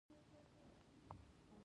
په هډه کې زرګونه مجسمې موندل شوي